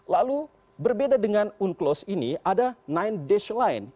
lalu berbeda dengan unclos ini ada sembilan dash line